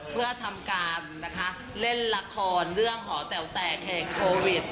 เพื่อทำการนะคะเล่นละครเรื่องหอแต๋วแตกแห่งโควิด